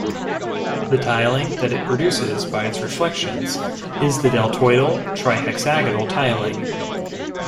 The tiling that it produces by its reflections is the deltoidal trihexagonal tiling.